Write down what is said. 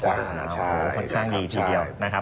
ค่อนข้างดีทีเดียวนะครับ